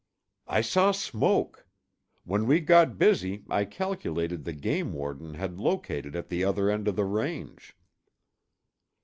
"I saw smoke. When we got busy, I calculated the game warden had located at the other end of the range."